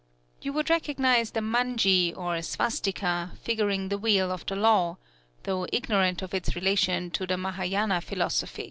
You would recognize the manji, or svastika, figuring the Wheel of the Law, though ignorant of its relation to the Mahâyâna philosophy.